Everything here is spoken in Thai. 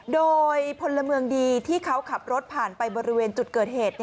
โดยพลเมืองดีที่เขาขับรถผ่านไปบริเวณจุดเกิดเหตุ